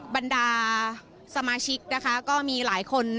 บรรดาสมาชิกก็มีหลายคนนะคะ